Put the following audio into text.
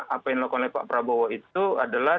apa yang dilakukan oleh pak prabowo itu adalah